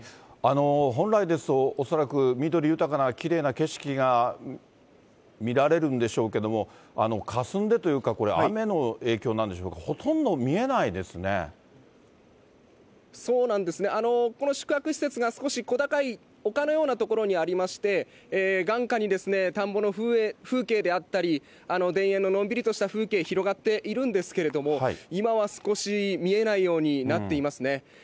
本来ですと、恐らく緑豊かなきれいな景色が見られるんでしょうけど、かすんでというか、これ、雨の影響なんでしょうか、ほとんど見えないですそうなんですね、この宿泊施設が少し小高い丘のような所にありまして、眼下に田んぼの風景であったり、田園ののんびりとした風景、広がっているんですけれども、今は少し見えないようになっていますね。